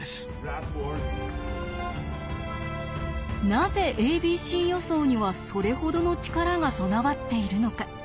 なぜ「ａｂｃ予想」にはそれほどの力が備わっているのか。